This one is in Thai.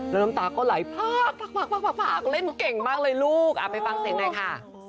แล้วน้ำตาก็ไหลพากเล่นเก่งมากเลยลูกไปฟังเสียงหน่อยค่ะ